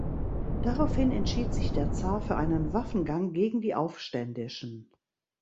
Daraufhin entschied sich der Zar für einen Waffengang gegen die Aufständischen.